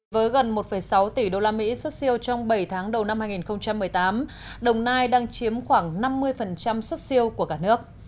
với gần một sáu tỷ usd xuất siêu trong bảy tháng đầu năm hai nghìn một mươi tám đồng nai đang chiếm khoảng năm mươi xuất siêu của cả nước